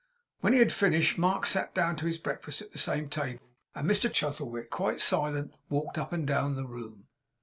When he had finished, Mark sat down to his breakfast at the same table; and Mr Chuzzlewit, quite silent still, walked up and down the room.